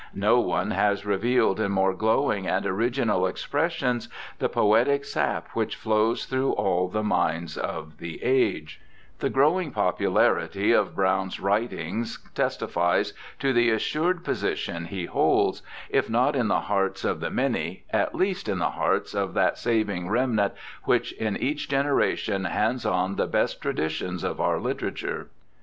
No one has revealed in more glowing and original expressions the poetic sap which flows through all the minds of the age.' SIR THOMAS BROWNE 273 The growing popularity of Browne's writings testifies to the assured position he holds, if not in the hearts of the many, at least in the hearts of that saving remnant which in each generation hands on the best traditions ot our hterature.